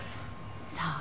さあ。